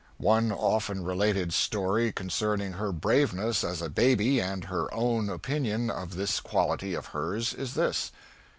One often related story concerning her braveness as a baby and her own opinion of this quality of hers is this.